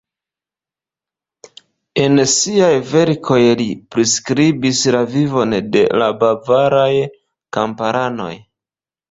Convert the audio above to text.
En siaj verkoj li priskribis la vivon de la bavaraj kamparanoj.